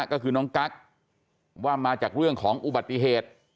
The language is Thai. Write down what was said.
ก็คือน้องกั๊กว่ามาจากเรื่องของอุบัติเหตุ